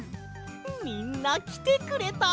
みんなきてくれた！